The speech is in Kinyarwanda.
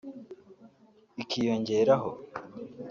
ikiyongeraho